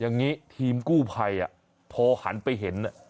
อย่างนี้ทีมกู้ภัยพอหันไปเห็น